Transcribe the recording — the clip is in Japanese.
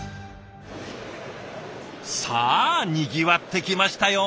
さあにぎわってきましたよ！